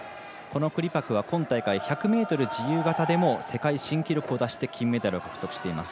クリパクは今大会１００ｍ自由形でも世界新記録を出して金メダルを獲得しています。